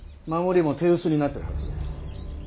守りも手薄になっているはず。